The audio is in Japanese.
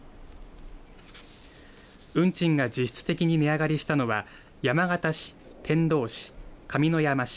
運賃が実質的に値上がりしたのは山形市、天童市、上山市